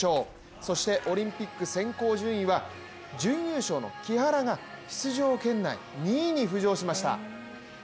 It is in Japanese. そしてオリンピック選考順位は準優勝の木原が出場圏内２位に浮上しました。